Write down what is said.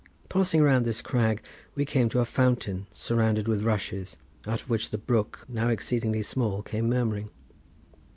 Passing round this crag we came to a fountain surrounded with rushes, out of which the brook, now exceedingly small, came murmuring.